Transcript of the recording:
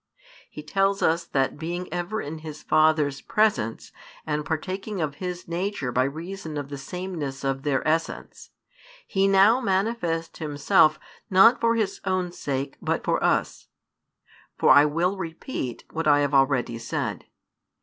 He tells us that being ever in His Father's Presence, and partaking of His Nature by reason of the sameness of Their Essence, He now manifests Himself not for His own sake but for us. For I will repeat what I have already said.